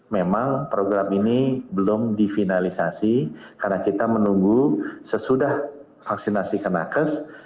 memang program ini belum divinalisasi karena kita menunggu sesudah vaksinasi kena kes